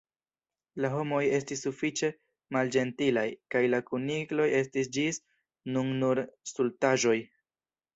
La homoj estis sufiĉe malĝentilaj, kaj la kunikloj estis ĝis nun nur stultaĵoj!